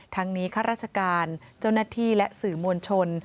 ทั้งนี้ข้าราชการเจ้าหน้าที่และสื่อมวลชน